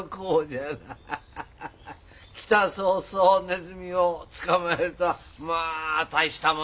来た早々ねずみを捕まえるとはまあ大したもんじゃ。